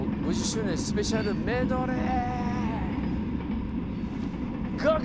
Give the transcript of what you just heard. ５０周年スペシャルメドレーＧＯＧＯＧＯ！